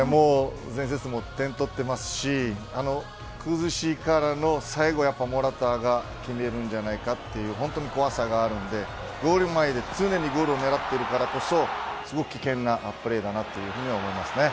前節も点取ってますし崩しからの最後モラタが決めるんじゃないかという怖さがあるのでゴール前で常にゴールを狙っているからこそすごく危険なプレーだなと思います。